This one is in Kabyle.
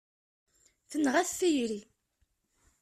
Tenɣa-t tayri.